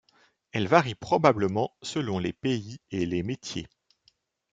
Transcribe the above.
Elle varie probablement selon les pays et les métiers.